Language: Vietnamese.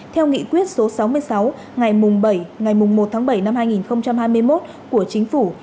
theo nghị quyết số sáu mươi sáu ngày bảy ngày một tháng bảy năm hai nghìn hai mươi một của chính phủ